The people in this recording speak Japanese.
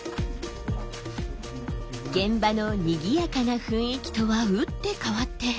現場のにぎやかな雰囲気とは打って変わって。